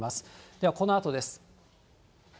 ではこのあとです。